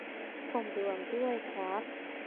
ผมร่วมด้วยครับ